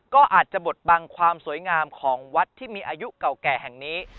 ก็อาจจะบทบังความสวยงามของวัดที่มีอายุเก่าแก่แห่งนี้